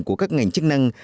của các ngành chức năng